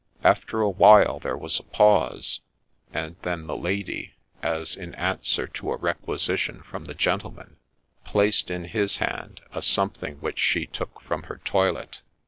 After a while there was a pause ; and then the lady, as in answer to a requisition from the gentleman, placed in his hand a something which she took from her toilet.